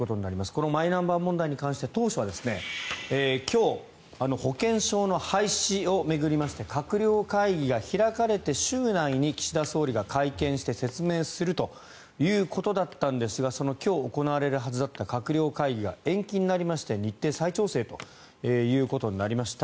このマイナンバー問題に関して当初は今日保険証の廃止を巡りまして閣僚会議が開かれて週内に岸田総理が会見して説明するということだったんですがその今日行われるはずだった閣僚会議が延期になりまして日程再調整ということになりました。